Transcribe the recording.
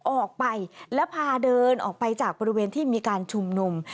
ออกไปแล้วพาเดินออกไปจากบริเวณที่มีการชุมนุม